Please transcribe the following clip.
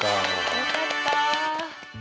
よかった。